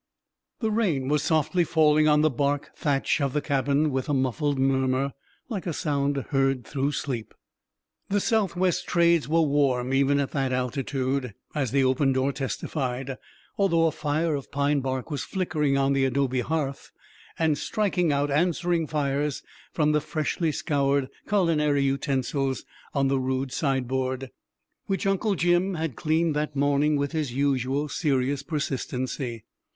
The rain was softly falling on the bark thatch of the cabin with a muffled murmur, like a sound heard through sleep. The southwest trades were warm even at that altitude, as the open door testified, although a fire of pine bark was flickering on the adobe hearth and striking out answering fires from the freshly scoured culinary utensils on the rude sideboard, which Uncle Jim had cleaned that morning with his usual serious persistency.